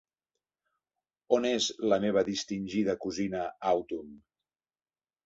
On és la meva distingida cosina Autumn?